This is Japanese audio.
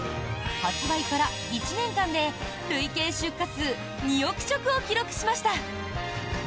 発売から１年間で累計出荷数２億食を記録しました。